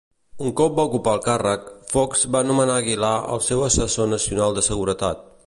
Un cop va ocupar el càrrec, Fox va nomenar Aguilar el seu assessor nacional de seguretat.